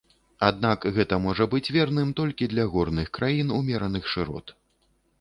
Аднак гэта можа быць верным толькі для горных краін умераных шырот.